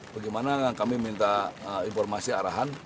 bagaimana kami minta informasi arahan